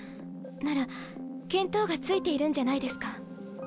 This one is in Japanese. なら見当がついているんじゃないですか？